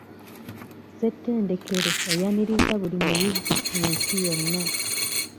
Ssetendekero eyaniriza buli muyizi mu nsi yonna.